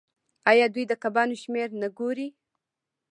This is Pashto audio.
آیا دوی د کبانو شمیر نه ګوري؟